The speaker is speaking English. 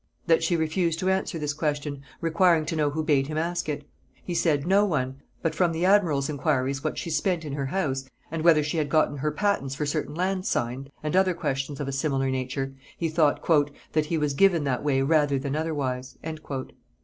That she refused to answer this question, requiring to know who bade him ask it. He said, No one; but from the admiral's inquiries what she spent in her house, and whether she had gotten her patents for certain lands signed, and other questions of a similar nature, he thought "that he was given that way rather than otherwise."